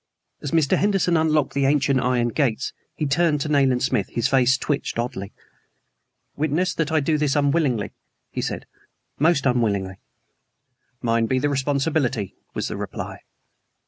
As Mr. Henderson unlocked the ancient iron gates he turned to Nayland Smith. His face twitched oddly. "Witness that I do this unwillingly," he said "most unwillingly." "Mine be the responsibility," was the reply.